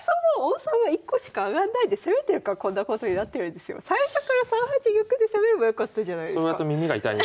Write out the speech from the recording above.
変わんないしそもそも最初から３八玉で攻めればよかったじゃないですか。